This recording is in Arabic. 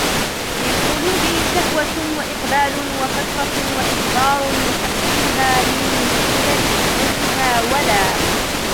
لِلْقُلُوبِ شَهْوَةٌ وَإِقْبَالٌ وَفَتْرَةٌ وَإِدْبَارٌ فَأْتُوهَا مِنْ قِبَلِ شَهْوَتِهَا وَلَا